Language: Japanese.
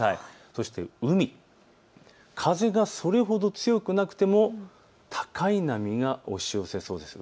そして海、風がそれほど強くなくても高い波が押し寄せそうです。